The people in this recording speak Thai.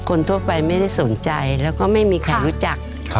คนทั่วไปไม่ได้สนใจแล้วก็ไม่มีใครรู้จัก